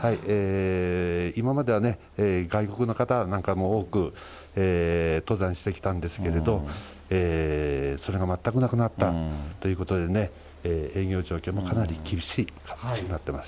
今までは外国の方なんかも多く、登山してきたんですけど、それが全くなくなったということでね、営業状況もかなり厳しい形になっております。